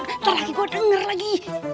ntar lagi gue denger lagi